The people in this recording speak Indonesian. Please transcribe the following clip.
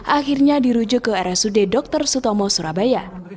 akhirnya dirujuk ke rsud dr sutomo surabaya